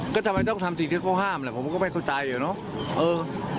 ก็ทำไมต้องทำสิ่งที่เขาห้ามแหละผมก็ไม่เข้าใจอะเนาะ